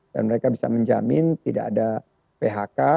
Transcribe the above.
dan mereka bisa menjamin tidak ada phk